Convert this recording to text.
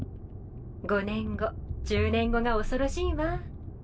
５年後１０年後が恐ろしいわ。